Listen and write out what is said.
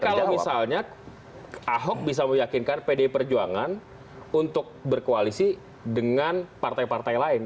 tapi kalau misalnya ahok bisa meyakinkan pdi perjuangan untuk berkoalisi dengan partai partai lain